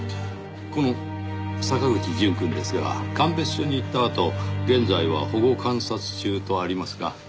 この坂口淳くんですが鑑別所に行ったあと現在は保護観察中とありますが。